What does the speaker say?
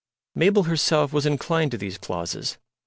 Mabel herself was inclined to these clauses.